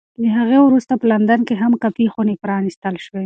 له هغې وروسته په لندن کې هم کافي خونې پرانېستل شوې.